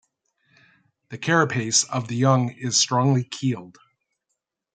The carapace of the young is strongly keeled.